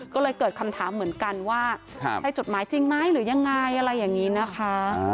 ก็เลยเกิดคำถามเหมือนกันว่าใช่จดหมายจริงไหมหรือยังไงอะไรอย่างนี้นะคะ